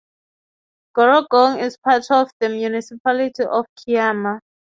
Gerringong is part of the Municipality of Kiama.